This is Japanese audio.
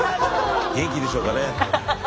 元気でしょうかね。